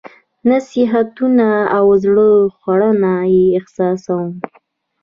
نصيحتونه او زړه خوړنه یې احساسوم.